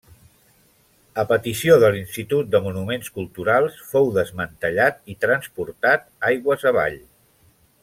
A petició de l'Institut de monuments culturals, fou desmantellat i transportat aigües avall.